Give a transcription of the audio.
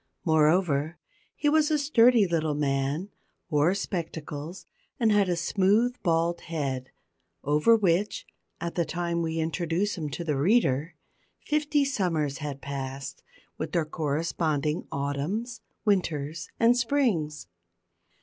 Moreover, he was a sturdy little man, wore spectacles, and had a smooth bald head, over which, at the time we introduce him to the reader, fifty summers had passed, with their corresponding autumns, winters, and springs.